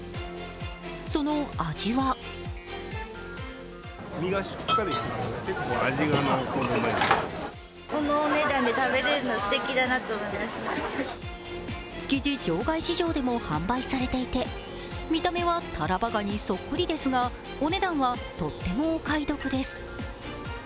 その味は築地場外市場でも販売されていて、見た目はタラバガニそっくりですが、お値段はとってもお買い得です。